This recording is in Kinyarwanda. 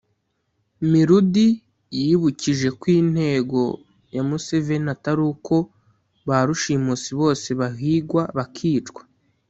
Mirudi yibukije ko intego ya Museveni atari uko ba rushimusi bose bahigwa bakicwa